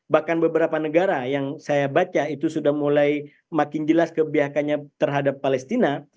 bahkan beberapa negara yang saya baca itu sudah mulai makin jelas kebiakannya terhadap palestina